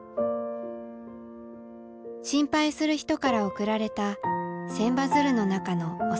心配する人から送られた千羽鶴の中の幼い桃佳。